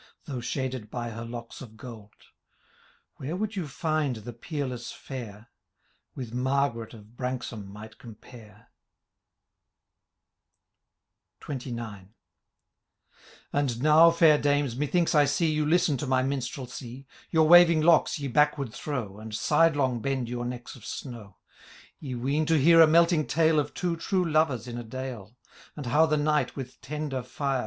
Though shaded by her locks of gold — Where would you find the peerless fair. With Margaret of Branksome might compare 1 Digitized by VjOOQIC 68 ruK LAY OF CouUo II XXIX. And now, fedr dames, methinke I see You listen to my minstrelsy ; Your waving locks ye backward throw. And sidelong bend your necks of snow : Ye ween to hear a melting tale. Of two true lovers in a dale ; And how the Knight, with tender fire.